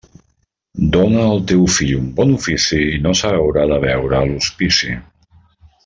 Dóna al teu fill un bon ofici i no s'haurà de veure a l'hospici.